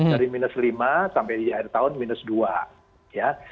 dari minus lima persen sampai akhir tahun minus dua persen